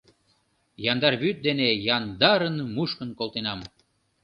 Яндар вӱд дене яндарын мушкын колтенам...